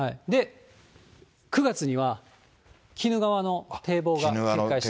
９月には、鬼怒川の堤防が決壊してます。